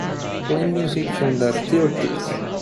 Play music from the thirties.